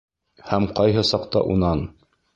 Һәм ҡайһы саҡта унан: